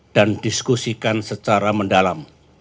dan diskusikan secara mendalam